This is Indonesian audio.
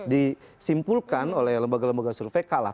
disimpulkan oleh lembaga lembaga survei kalah